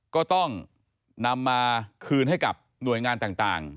ก็ต้องนำมาคืนให้กับหน่วยงานต่าง